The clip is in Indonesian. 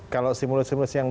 kalau stimulus stimulus yang